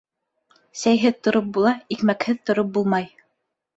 Сәйһеҙ тороп була, икмәкһеҙ тороп булмай.